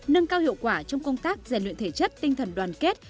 nâng cao hiệu quả trong công tác rèn luyện thể chất tinh thần đoàn kết